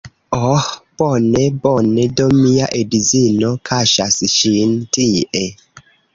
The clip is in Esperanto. Oh bone, bone, do mia edzino kaŝas ŝin tie